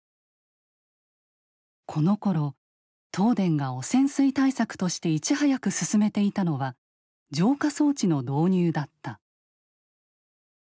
このころ東電が汚染水対策としていち早く進めていたのは浄化装置の導入だった。